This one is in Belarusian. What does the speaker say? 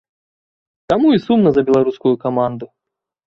Таму і сумна за беларускую каманду.